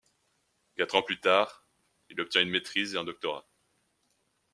Quatre ans plus tard, il obtient une maîtrise et un doctorat.